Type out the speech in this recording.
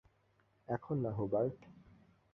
এখন না, হুবার্ট।